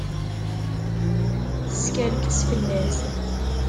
Teskerkes fell-as.